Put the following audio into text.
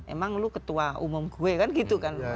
emang lu ketua umum gue kan gitu kan